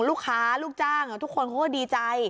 ลูกค้าลูกจ้างทุกคนเขาก็ดีใจ